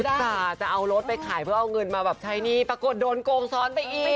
จ้ะจะเอารถไปขายเพื่อเอาเงินมาแบบใช้หนี้ปรากฏโดนโกงซ้อนไปอีก